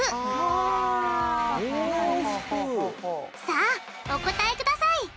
さあお答えください！